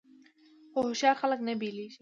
خو هوښیار خلک نه بیلیږي.